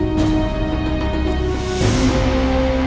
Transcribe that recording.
ที่สุดท้ายที่สุดท้าย